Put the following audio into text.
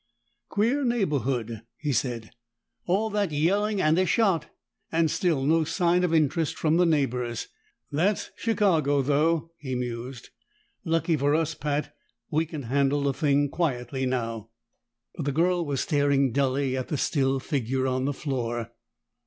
"Queer neighborhood!" he said. "All that yelling and a shot, and still no sign of interest from the neighbors. That's Chicago, though," he mused. "Lucky for us, Pat; we can handle the thing quietly now." But the girl was staring dully at the still figure on the floor.